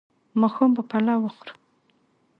ماښام به پلاو وخورو